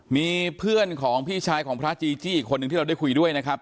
มีเพื่อนของพี่ชายของพระจีจี้อีกคนนึงที่เราได้คุยด้วยนะครับ